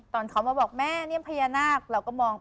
ตอนเขามาบอกแม่นี่พญานาคเราก็มอง